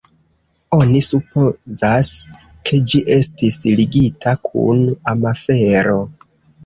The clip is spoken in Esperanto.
Oni supozas, ke ĝi estis ligita kun amafero.